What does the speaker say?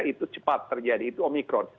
itu cepat terjadi itu omikron